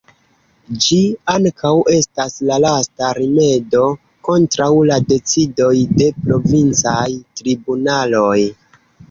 Ĝi ankaŭ estas la lasta rimedo kontraŭ la decidoj de provincaj tribunaloj.